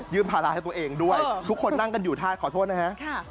ภาระให้ตัวเองด้วยทุกคนนั่งกันอยู่ท่าขอโทษนะฮะ